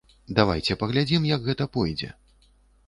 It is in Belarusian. Давайце паглядзім, як гэта пойдзе.